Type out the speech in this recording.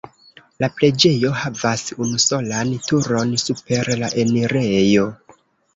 La preĝejo havas unusolan turon super la enirejo.